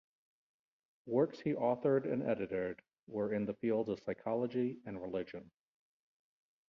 Works he authored and edited were in the field of psychology and religion.